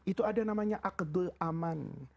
itu ada namanya akedul aman